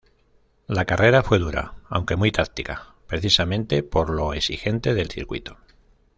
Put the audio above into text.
La carrera fue dura, aunque muy táctica, precisamente por lo exigente del circuito.